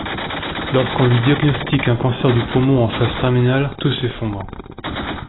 Lorsqu'on lui diagnostique un cancer du poumon en phase terminale, tout s'effondre.